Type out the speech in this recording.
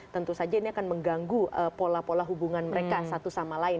tentu saja ini akan mengganggu pola pola hubungan mereka satu sama lain